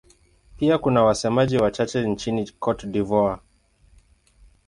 Pia kuna wasemaji wachache nchini Cote d'Ivoire.